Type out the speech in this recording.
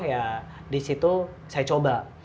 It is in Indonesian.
ya disitu saya coba